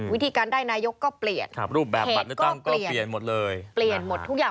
วิธีการได้นายกก็เปลี่ยนเหตุก็เปลี่ยนเปลี่ยนหมดทุกอย่าง